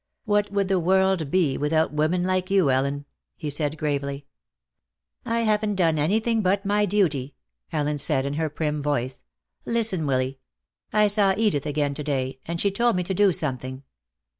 "What would the world be without women like you, Ellen?" he said gravely. "I haven't done anything but my duty," Ellen said, in her prim voice. "Listen, Willy. I saw Edith again to day, and she told me to do something."